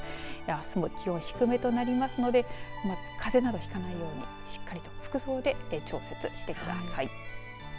あすも気温低めとなりますのでかぜなどひかないように、しっかりと服装で調節してください。